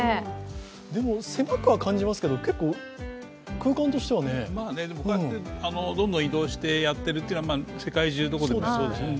でも狭くは感じますが、結構空間としてはね。こうやってどんどん移動してやっているというのは世界中どこでもそうですよね。